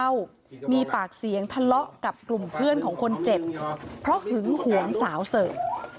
ค่ะส่วนถึงในจิงมีปากเสียงทะเลาะกับกลุ่มเพื่อนของคนเจ็บเพราะหึงหวงสาวเสิ่ม